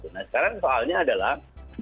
nah sekarang soalnya adalah